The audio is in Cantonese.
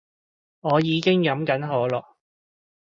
我已經飲緊可樂